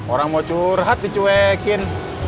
orang mau curhat dicuekin